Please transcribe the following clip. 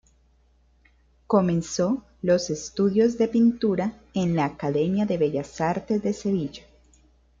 Comenzó los estudios de pintura en la Academia de Bellas Artes de Sevilla.